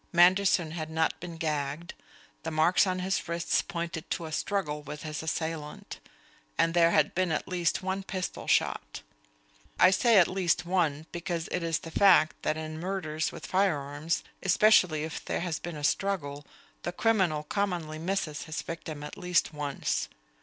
Manderson had not been gagged; the marks on his wrists pointed to a struggle with his assailant; and there had been at least one pistol shot. (I say at least one, because it is the fact that in murders with firearms, especially if there has been a struggle, the criminal commonly misses his victim at least once.)